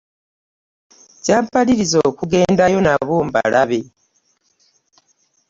Kyampalirizza okugendayo nabo mbalabe.